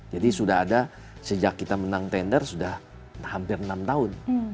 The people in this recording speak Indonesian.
sudah ada sejak kita menang tender sudah hampir enam tahun